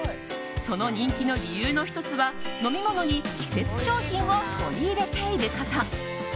その人気の理由の１つは飲み物に季節商品を取り入れていること。